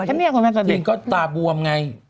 จริงก็ตาบวมไง